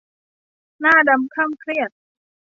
หน้าดำคร่ำเครียด